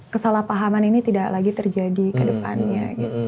kesalahpahaman ini tidak lagi terjadi ke depannya